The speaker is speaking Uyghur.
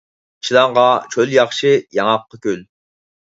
چىلانغا چۆل ياخشى، ياڭاققا كۆل